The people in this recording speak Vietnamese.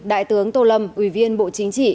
đại tướng tô lâm ủy viên bộ chính trị